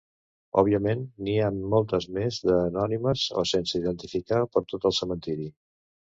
Òbviament, n'hi ha moltes més d'anònimes o sense identificar per tot el cementiri.